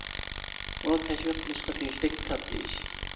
بۇ تەشۋىق قىلىشقا تېگىشلىك كاتتا ئىش.